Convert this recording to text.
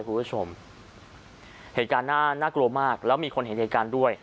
คุณผู้ชมเหตุการณ์น่าน่ากลัวมากแล้วมีคนเห็นเหตุการณ์ด้วย